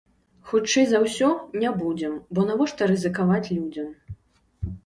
Хутчэй за ўсё, не будзем, бо навошта рызыкаваць людзям.